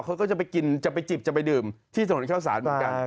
เขาก็จะไปกินจะไปจิบจะไปดื่มที่ถนนข้าวสารเหมือนกัน